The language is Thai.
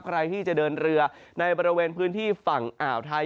ใครที่จะเดินเรือในบริเวณพื้นที่ฝั่งอ่าวไทย